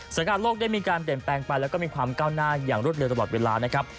สถานการณ์โลกได้มีการเปลี่ยนแปลงไปแล้วก็มีความก้าวหน้าอย่างรวดเร็วตลอดเวลานะครับ